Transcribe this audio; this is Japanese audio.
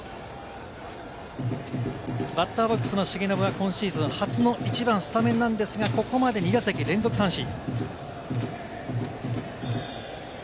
バッターボックスの重信は今シーズン初の１番スタメンなんですが、ここまで２打席連続三振。